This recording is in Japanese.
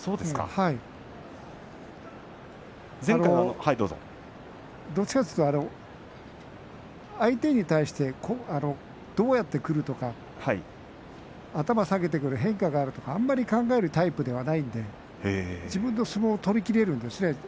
はい、どちらかというと相手に対してどうやってくるとか頭を下げていくとか変化があるとかあんまり考えるタイプではないので自分の相撲を取りきれるんですね。